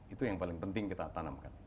itu yang paling penting kita tanamkan